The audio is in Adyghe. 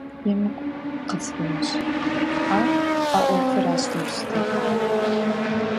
Емыкӏу къысфэмышӏ, ау а ӏофыр аущтэу щытэп.